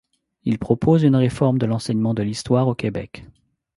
Il propose une réforme de l’enseignement de l’histoire au Québec.